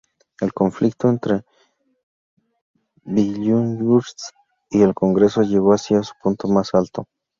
El conflicto entre Billinghurst y el Congreso llegó así a su punto más alto.